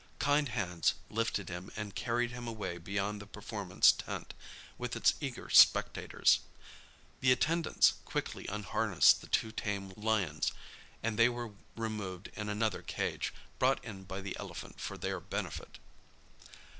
Kind hands lifted him and carried him away beyond the performance tent, with its eager spectators. The attendants quickly unharnessed the two tame lions, and they were removed in another cage, brought in by the elephant for their benefit.